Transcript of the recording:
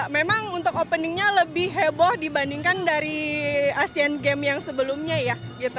memang untuk openingnya lebih heboh dibandingkan dari asian games yang sebelumnya ya